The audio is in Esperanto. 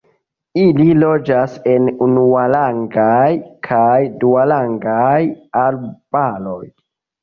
Ili loĝas en unuarangaj kaj duarangaj arbaroj.